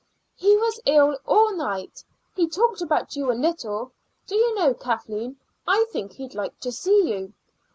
"He was ill all night. He talked about you a little. Do you know, Kathleen, I think he'd like to see you.